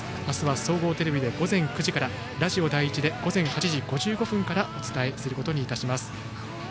あすは総合テレビで午前９時からラジオ第１で午前８時５５分からお伝えすることにいたします。